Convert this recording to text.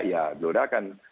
ya blora kan